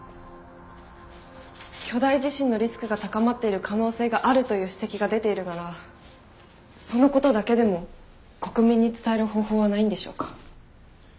巨大地震のリスクが高まっている可能性があるという指摘が出ているならそのことだけでも国民に伝える方法はないんでしょうか？